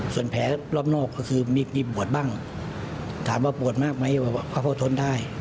ส่วนแผลรอบนอกก็คือมีปวดบ้างถามว่าปวดมากไหมเขาก็ทนได้